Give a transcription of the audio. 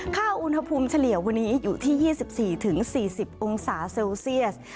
อุณหภูมิเฉลี่ยวันนี้อยู่ที่๒๔๔๐องศาเซลเซียส